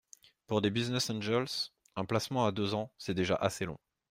Pour des business angels, un placement à deux ans, c’est déjà assez long.